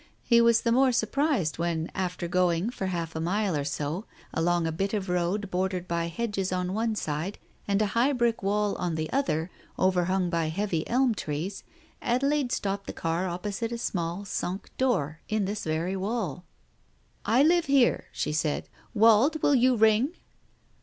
He was the more surprised when after going for half a mile or so along a bit of road bordered by hedges on one side, and a high brick wall on the other, overhung by heavy elm trees, Adelaide stopped the car opposite a small sunk door in this very wall. "I live here," she said. "Wald, will you ring?"